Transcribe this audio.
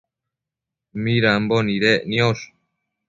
midambo nidec niosh ?